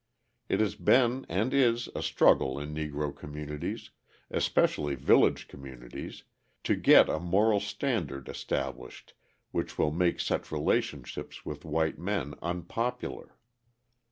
It has been and is a struggle in Negro communities, especially village communities, to get a moral standard established which will make such relationships with white men unpopular.